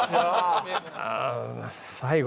最後。